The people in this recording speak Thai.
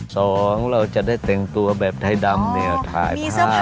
สองเราจะได้แต่งตัวแบบไทยดำเนี่ยถ่ายภาพ